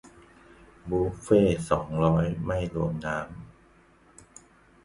บุฟเฟ่ต์สองร้อย ไม่รวมน้ำ